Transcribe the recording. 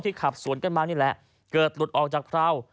ขับสวนกันมานี่แหละเกิดหลุดออกจากพราว